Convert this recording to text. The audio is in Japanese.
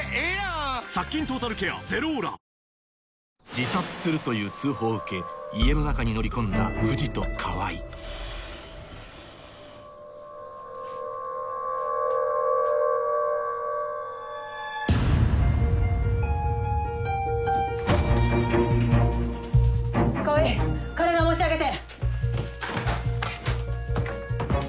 自殺するという通報を受け家の中に乗り込んだ藤と川合川合体持ち上げて！